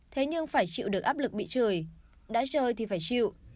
thế nhưng phải chịu được áp lực bị chửi đã chơi thì phải chịu